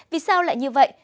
vì sao lại như vậy